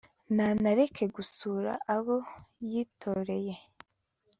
ntanareke gusura abo yitoreye